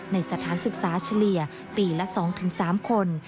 สถานศึกษาเฉลี่ยปีละ๒๓คน